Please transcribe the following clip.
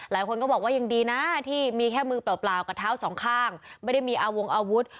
หลายคนก็บอกว่ายังดีนะที่มีแค่มือเปล่ากับเท้าสองข้างไม่ได้มีอาวงอาวุธ